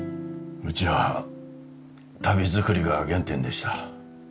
うちは足袋作りが原点でした。